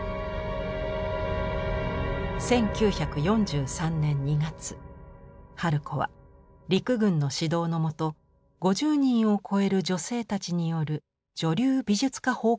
１９４３年２月春子は陸軍の指導のもと５０人を超える女性たちによる「女流美術家奉公隊」を結成。